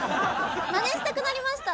マネしたくなりました。